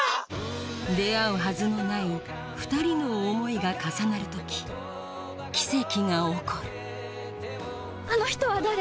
出会うはずのない２人の想いが重なる時奇跡が起こるあの人は誰？